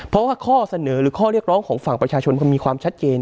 เพราะว่าข้อเสนอหรือข้อเรียกร้องของฝั่งประชาชนคือมีความชัดเจน